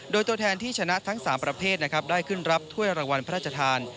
โดยตัวแทนที่ชนะทั้ง๓ประเภทนะครับได้ขึ้นรับถ้วยรางวัลพระราชทาน